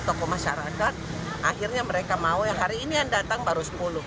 tokoh masyarakat akhirnya mereka mau yang hari ini yang datang baru sepuluh